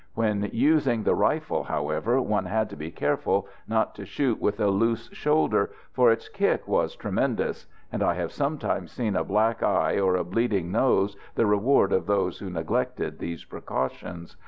When using the rifle, however, one had to be careful not to shoot with a loose shoulder, for its "kick" was tremendous; and I have sometimes seen a black eye or a bleeding nose the reward of those who neglected these precautions.